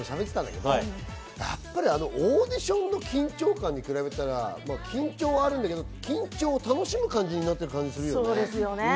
やっぱりオーディションの緊張感に比べたら緊張はあるんだけれども緊張を楽しむ感じになっている気がするよね。